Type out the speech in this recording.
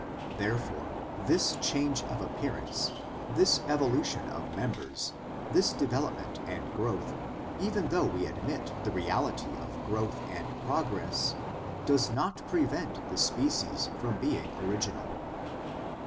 Therefore this change of appearance, this evolution of members, this development and growth, even though we admit the reality of growth and progress, 1 does not prevent the species from being original.